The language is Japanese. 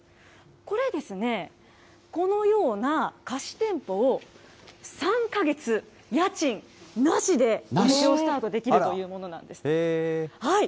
これですね、このような貸店舗を３か月、家賃なしで営業をスタートできるというものなんです。